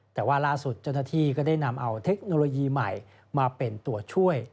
แต่ว่าล่าสุดเจ้าหน้าที่ก็ได้นำเอาเทคโนโลยีใหม่มาเป็นตัวช่วย